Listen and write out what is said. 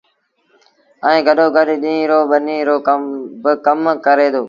ائيٚݩ گڏو گڏ ڏيٚݩهݩ رو ٻنيٚ رو با ڪم ڪري دو۔